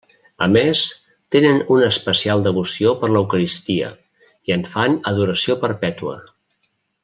A més, tenen una especial devoció per l'Eucaristia, i en fan adoració perpètua.